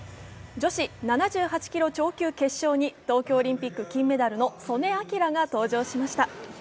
女子７８キロ超級決勝に東京オリンピック金メダルの素根輝が登場しました。